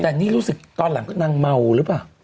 แต่นี่รู้สึกตอนหลังนางเมาหรือเปล่า